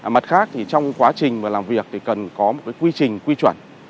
mặt khác thì trong quá trình làm việc thì cần có một cái quy trình quy chuẩn